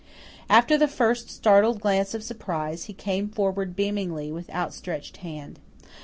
After the first startled glance of surprise, he came forward beamingly, with outstretched hand.